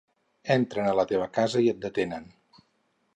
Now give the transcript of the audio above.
Entren a la teva casa i et detenen.